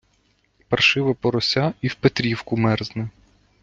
Паршиве порося і в Петрівку мерзне.